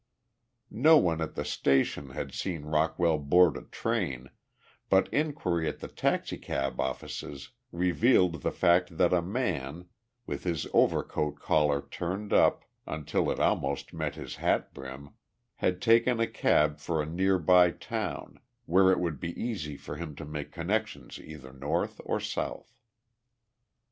No one at the station had seen Rockwell board a train, but inquiry at the taxicab offices revealed the fact that a man, with his overcoat collar turned up until it almost met his hat brim, had taken a cab for a near by town, where it would be easy for him to make connections either north or south.